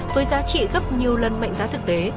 với giá trị gấp nhiều lần mệnh giá thực tế